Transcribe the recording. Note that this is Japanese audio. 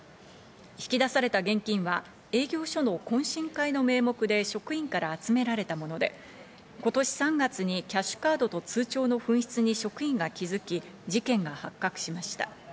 引き出された現金は営業所の懇親会の名目で職員から集められたもので、今年３月にキャッシュカードと通帳の紛失に職員が気づき、事件が発覚しました。